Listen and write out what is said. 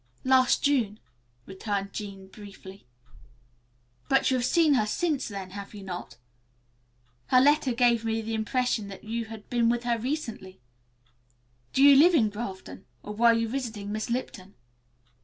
"Last June," returned Jean briefly. "But you have seen her since then, have you not? Her letter gave me the impression that you had been with her recently. Do you live in Grafton, or were you visiting Miss Lipton?"